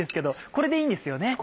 これでいいんです。